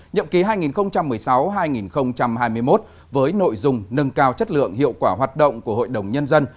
nhậm ký hai nghìn một mươi sáu hai nghìn hai mươi một với nội dung nâng cao chất lượng hiệu quả hoạt động của hội đồng nhân dân